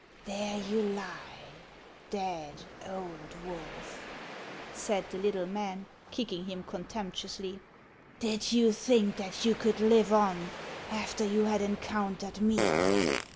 " There you lie, dead, old wolf," said the little man, kicking him contemptuously. " Did you think that you could live on after you had encountered me